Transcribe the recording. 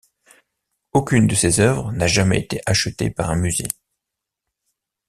Aucune de ses œuvres n'a jamais été achetée par un musée.